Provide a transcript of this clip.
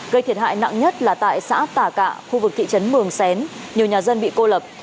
gây thiệt hại nặng nhất là tại xã tà cạ khu vực thị trấn mường xén nhiều nhà dân bị cô lập